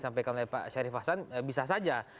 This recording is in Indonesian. sampaikan oleh pak syarif hasan bisa saja